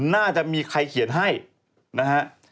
น่าจะมีใครเขียนให้นะฮะ